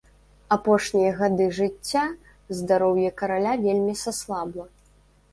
Апошнія гады жыцця здароўе караля вельмі саслабла.